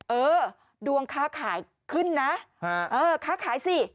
เออดวงค้าขายขึ้นนะเออค้าขายสิ